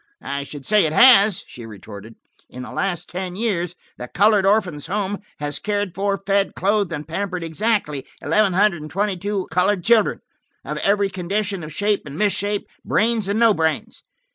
"I should say it has," she retorted. "In the last ten years the Colored Orphans' Home has cared for, fed, clothed, and pampered exactly eleven hundred and twenty two colored children, of every condition of shape and misshape, brains and no brains."